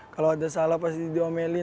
kalau ada salah pasti diomelin